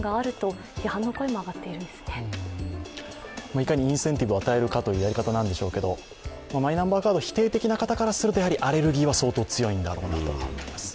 いかにインセンティブを与えるかというやり方なんでしょうけど、マイナンバーカード、否定的な方からすると、やはりアレルギーは相当強いんだろうなと思います。